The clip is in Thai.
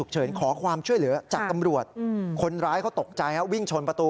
จากกำรวจคนร้ายเขาตกใจวิ่งชนประตู